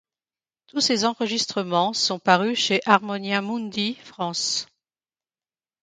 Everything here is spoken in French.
Tous ces enregistrements sont parus chez Harmonia Mundi France.